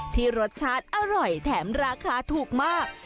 รสชาติอร่อยแถมราคาถูกมาก